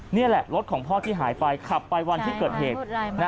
นี่แหละรถของพ่อที่หายไปขับไปวันที่เกิดเหตุ